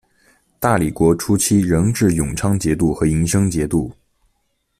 大理国初期仍置永昌节度和银生节度。